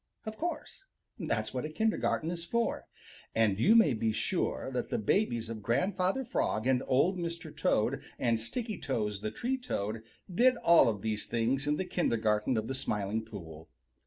Of course. That's what a kindergarten is for. And you may be sure that the babies of Grandfather Frog and Old Mr. Toad and Stickytoes the Tree Toad did all of these things in the kindergarten of the Smiling Pool.